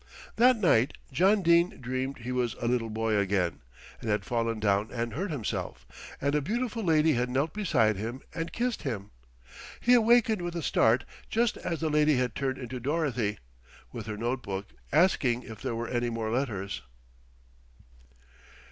That night John Dene dreamed he was a little boy again, and had fallen down and hurt himself, and a beautiful lady had knelt beside him and kissed him. He awakened with a start just as the lady had turned into Dorothy, with her note book, asking if there were any more letters.